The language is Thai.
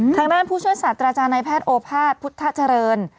ทางด้านผู้ช่วยศาสตราจารย์ในแพทย์โอภาษพุทธเจริญ